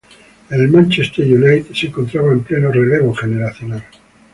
El Manchester United se encontraba en pleno relevo generacional.